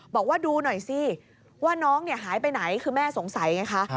บอกว่าดูหน่อยสิว่าน้องหายไปไหนคือแม่สงสัยไงคะ